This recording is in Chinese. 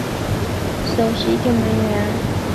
这场比赛后他成为了球会的首席定门员。